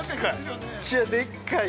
◆めっちゃでっかい。